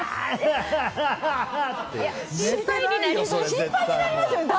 心配になりますよね。